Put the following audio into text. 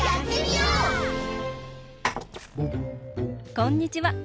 こんにちは！